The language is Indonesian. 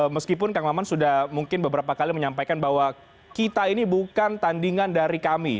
meskipun kang maman sudah mungkin beberapa kali menyampaikan bahwa kita ini bukan tandingan dari kami